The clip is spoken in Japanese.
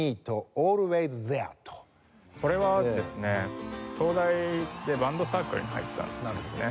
これはですね東大でバンドサークルに入ったんですね。